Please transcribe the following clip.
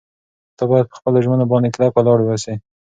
ته باید په خپلو ژمنو باندې کلک ولاړ واوسې.